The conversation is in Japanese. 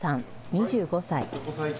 ２５歳。